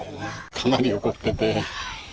かなり怒ってて。